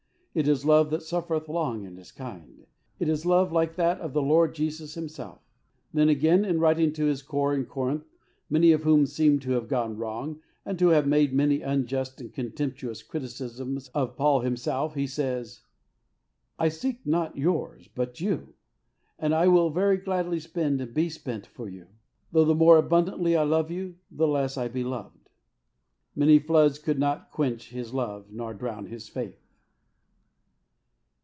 It is love that " suffereth long, and is kind." It is love like that of the Lord Jesus Himself. Then again, in writing to his Corps in Corinth, many of whom seemed to have gone wrong, and to have made many unjust and con temptuous criticisms of Paul himself, he says, " I seek not yours but you ; and I will very gladly spend and be spent for you ; though the more abundantly I love you, the less I be loved." Many floods could not quench his love nor drown his faith.